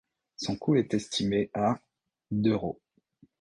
Son coût est estimé à d'euros.